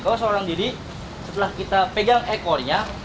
kalau seorang diri setelah kita pegang ekornya